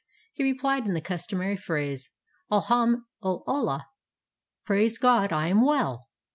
He replied in the customary phrase, " Al hamd ul Ullah!" ("Praise God, I am well!")